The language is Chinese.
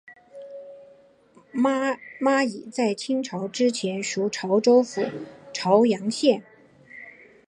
妈屿在清朝之前属潮州府潮阳县。